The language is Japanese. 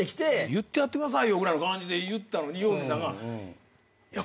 「言ってやってくださいよ」ぐらいの感じでいったのに陽水さんが。